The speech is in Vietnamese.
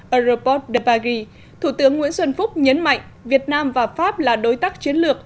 aeroport de paris thủ tướng nguyễn xuân phúc nhấn mạnh việt nam và pháp là đối tác chiến lược